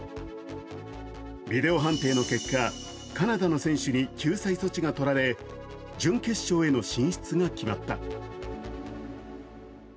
ビデオ判定の結果、カナダの選手に救済措置がとられ準決勝への進出が決まった。